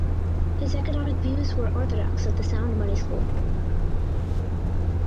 His economic views were orthodox of the sound money school.